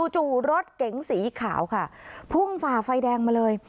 จู่รถเก๋งสีขาวค่ะพุ่งฝ่าไฟแดงมาเลย